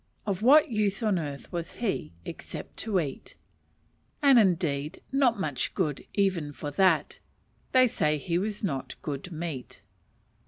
Of what use on earth was he except to eat? And, indeed, not much good even for that they say he was not good meat.